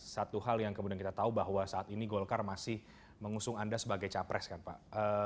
satu hal yang kemudian kita tahu bahwa saat ini golkar masih mengusung anda sebagai capres kan pak